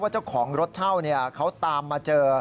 ว่าเจ้าของรถเช่าเนี่ยเขาตามมาเจอ